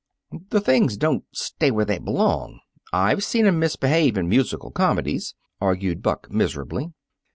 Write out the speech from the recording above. "The things don't stay where they belong. I've seen 'em misbehave in musical comedies," argued Buck miserably.